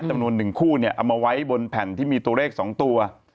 จำนวน๑คู่เนี่ยเอามาไว้บนแผ่นที่มีตัวเลข๒ตัว